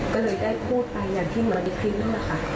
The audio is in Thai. ก็เลยได้พูดไปอย่างที่หมอนี่คิดนึง